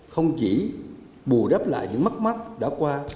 không chỉ bù đắp lại những mắc mắc đã qua